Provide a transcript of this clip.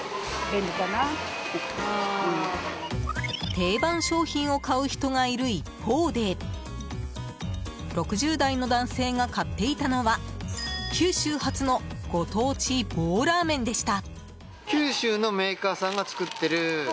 定番商品を買う人がいる一方で６０代の男性が買っていたのは九州発のご当地棒ラーメンでした。